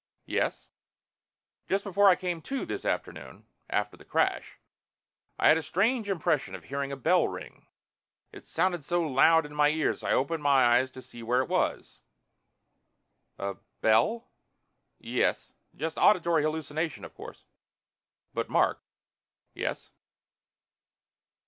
"Yes?" "Just before I came to this afternoon, after the crash, I had a strange impression of hearing a bell ring. It sounded so loud in my ears I opened my eyes to see where it was." "A bell?" "Yes. Just auditory hallucination, of course." "But Mark " "Yes?"